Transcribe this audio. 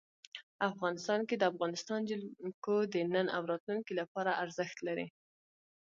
افغانستان کې د افغانستان جلکو د نن او راتلونکي لپاره ارزښت لري.